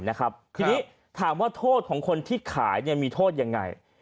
ทีนี้ถามว่าโทษของคนที่ขายมีโทษยังไง